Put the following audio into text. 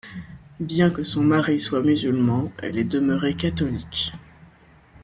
Bien que son mari soit musulman, elle est demeurée catholique.